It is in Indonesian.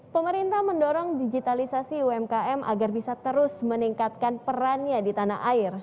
pemerintah mendorong digitalisasi umkm agar bisa terus meningkatkan perannya di tanah air